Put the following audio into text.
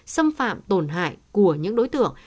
xâm phạm tổn hại của những đối tượng